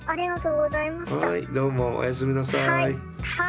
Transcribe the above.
どうもおやすみなさい。